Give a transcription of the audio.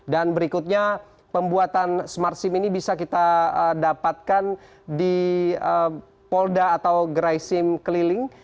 dan berikutnya pembuatan smart sim ini bisa kita dapatkan di polda atau gerai sim keliling